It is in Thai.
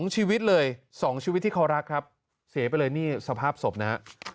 ชีวิตเลย๒ชีวิตที่เขารักครับเสียไปเลยนี่สภาพศพนะฮะ